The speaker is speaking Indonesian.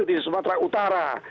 di sumatera utara